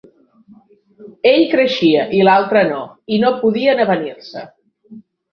Ell creixia i l’altre no, i no podien avenir-se.